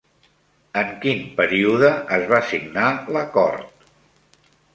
En quin període es va signar l'acord?